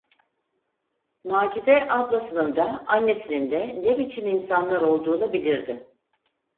Macide ablasının da, annesinin de ne biçim insanlar olduğunu bilirdi.